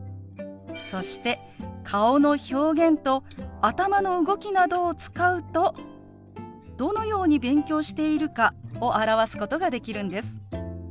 そして顔の表現と頭の動きなどを使うとどのように勉強しているかを表すことができるんです。